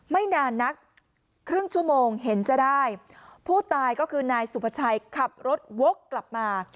ไม่นานนักครึ่งชั่วโมงเห็นจะได้ผู้ตายก็คือนายสุภาชัยขับรถวกกลับมา